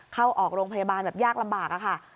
เข้าออกโรงพยาบาลแบบยากลำบากอะค่ะ